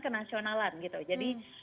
kenasionalan gitu jadi